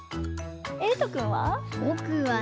えいとくんは？